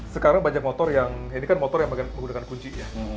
sekarang banyak motor yang ini kan motor yang menggunakan kunci ya